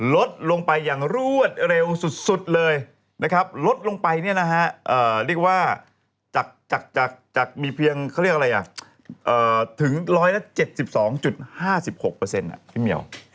ลดลงไปอย่างรวดเร็วสุดเลยนะครับลดลงไปเนี่ยนะฮะเรียกว่าจากมีเพียงเขาเรียกอะไรอ่ะถึง๑๗๒๕๖พี่เหมียว